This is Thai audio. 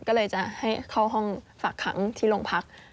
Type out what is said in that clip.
ก็เลยจะให้เข้าห้องฝากขังที่โรงพัก